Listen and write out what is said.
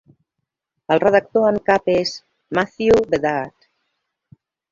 El redactor en cap és Matthew Bedard.